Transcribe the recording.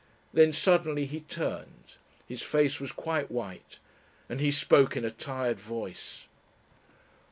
Then suddenly he turned. His face was quite white and he spoke in a tired voice.